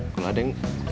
kalau ada yang